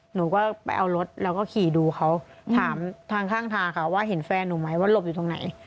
หนูก็ไปเอารถแล้วก็ขี่ดูเขาถามทางข้างทางค่ะว่าเห็นแฟนหนูไหมว่าหลบอยู่ตรงไหน